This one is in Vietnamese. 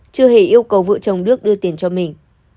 chưa hề yêu cầu vợ chồng đức đưa tiền cho mình